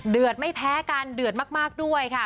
ไม่แพ้กันเดือดมากด้วยค่ะ